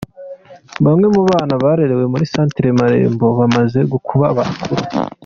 Bamwe mu bana barerewe muri Centre Marembo bamaze kuba bakuru.